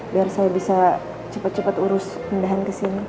biar saya bisa cepat cepat urus pindahan kesini